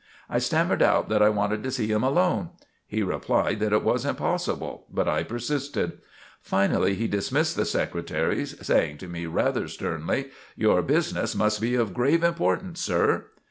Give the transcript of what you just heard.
I stammered out that I wanted to see him alone. He replied that it was impossible, but I persisted. Finally he dismissed the secretaries, saying to me rather sternly: "Your business must be of grave importance, sir."